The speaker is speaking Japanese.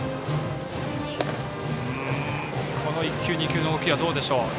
この１球、２球の動きどうでしょうか。